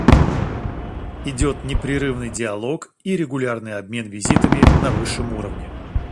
Идет непрерывный диалог и регулярный обмен визитами на высшем уровне.